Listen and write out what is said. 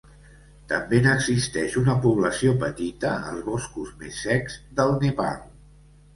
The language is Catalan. També n'existeix una població petita als boscos més secs del Nepal.